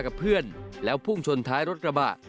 กับเพื่อนแล้วพุ่งชนท้ายรถกระบะ